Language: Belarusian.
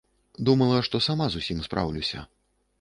Думала, што сама з усім спраўлюся.